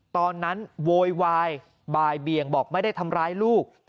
โวยวายบ่ายเบียงบอกไม่ได้ทำร้ายลูก